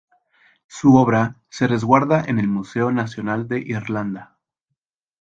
Su obra se resguarda en el Museo Nacional de Irlanda.